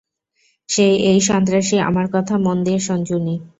সেই এই সন্ত্রাসী আমার কথা মন দিয়ে শোন জুনি।